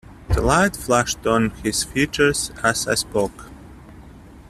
The light flashed on his features as I spoke.